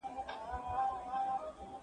ته کله کتابتون ته ځې!.